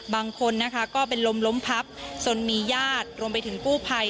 บางคนนะคะก็เป็นลมล้มพับจนมีญาติรวมไปถึงกู้ภัย